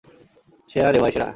সেরা রে ভাই, সেরা!